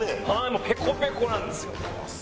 もうペコペコなんですよ。